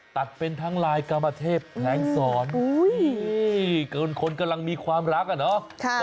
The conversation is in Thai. ตัดเป็นทั้งลายกรรมเทพแผลงสอนเกินคนกำลังมีความรักอะเนาะ